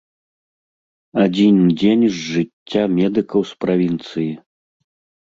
Адзін дзень з жыцця медыкаў з правінцыі.